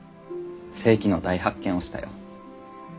世紀の大発見をしたよ。